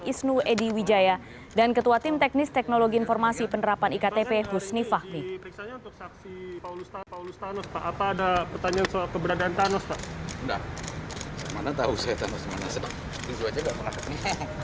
isnu edy wijaya dan ketua tim teknis teknologi informasi penerapan iktp husni fahmi